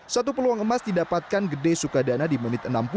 satu peluang emas didapatkan gede sukadana di menit enam puluh